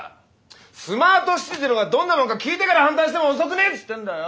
スマートシティってのがどんなもんか聞いてから反対しても遅くねえっつってんだよ！